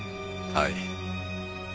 はい。